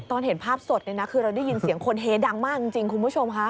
ตอนเห็นภาพสดเนี่ยนะคือเราได้ยินเสียงคนเฮดังมากจริงคุณผู้ชมค่ะ